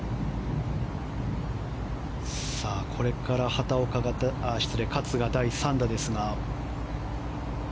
これから勝が第３打ですが。